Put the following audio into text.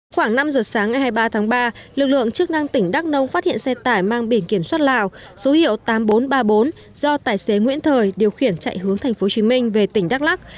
khoảng năm giờ sáng ngày hai mươi ba tháng ba lực lượng chức năng tỉnh đắk nông phát hiện xe tải mang biển kiểm soát lào số hiệu tám nghìn bốn trăm ba mươi bốn do tài xế nguyễn thời điều khiển chạy hướng tp hcm về tỉnh đắk lắc